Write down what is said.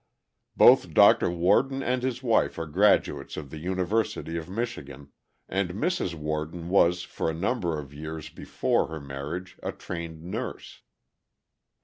"Both Dr. Worden and his wife are graduates of the University of Michigan, and Mrs. Worden was for a number of years before her marriage a trained nurse.